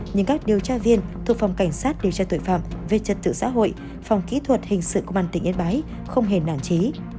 nhưng các điều tra viên thuộc phòng cảnh sát điều tra tội phạm về trật tự xã hội phòng kỹ thuật hình sự công an tỉnh yên bái không hề nản trí